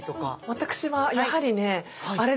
私はやはりねあれですね